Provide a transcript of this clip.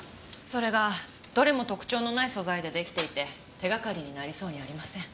それがどれも特徴のない素材で出来ていて手がかりになりそうにありません。